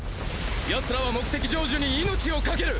奴らは目的成就に命を懸ける！